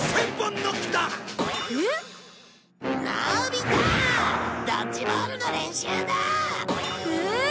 のび太ドッジボールの練習だ！え！